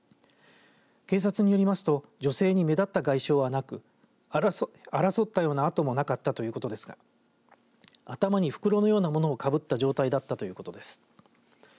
警察によりますと女性に目立った外傷はなく争ったような跡もなかったということですが頭に袋のようなものをかぶった状態だったということです。